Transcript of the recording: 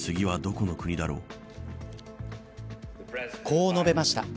こう述べました。